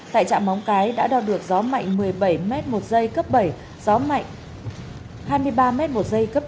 tại trạm móng cái đã đo được gió mạnh một mươi bảy m một s cấp bảy gió mạnh hai mươi ba m một s cấp chín